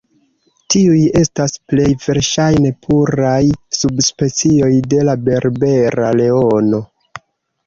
Tiuj estas plej verŝajne puraj subspecioj de la berbera leono.